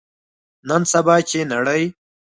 نن سبا، چې نړۍ